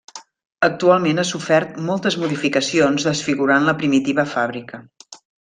Actualment ha sofert moltes modificacions desfigurant la primitiva fàbrica.